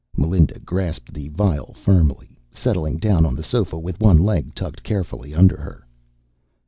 Melinda grasped the vial firmly, settled down on the sofa with one leg tucked carefully under her.